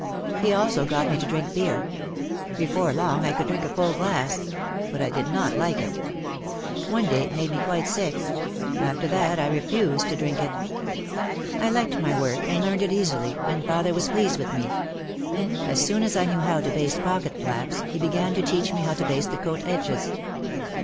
He also got me to drink beer. Before long I could drink a full glass. But I did not like it. One day it made me quite sick. After that I refused to drink it. I liked my work and learned it easily, and father was pleased with me. As soon as I knew how to baste pocket flaps he began to teach me how to baste the coat edges.